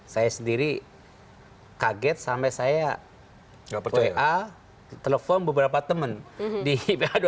saya sendiri kaget sampai saya wa telepon beberapa teman di pa dua ratus